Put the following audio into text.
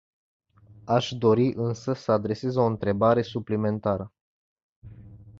Aș dori însă să adresez o întrebare suplimentară.